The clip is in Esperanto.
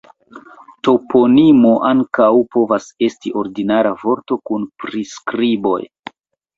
Toponimo ankaŭ povas esti ordinara vorto kun priskriboj.